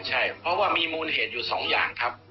ใช่เพราะว่ามีมูลเหตุอยู่สองอย่างครับ